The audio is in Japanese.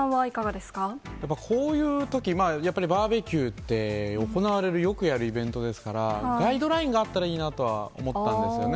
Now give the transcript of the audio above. こういうとき、やっぱりバーベキューって、行われる、よくやるイベントですから、ガイドラインがあったらいいなとは思ったんですよね。